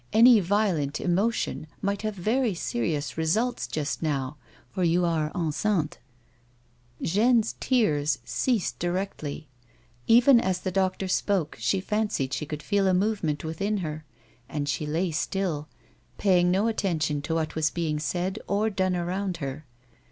Any violent emotion might have very serious results just now ; for jov. are enceinte." Jeanne's tears ceased directly ; oven as the doctor spoke A WOMAN'S LIFE. 113 she fancied she could feel a movement within her, and she lay still, paying no attention to what was being said or done around her.